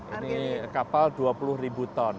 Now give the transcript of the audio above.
ini kapal dua puluh ribu ton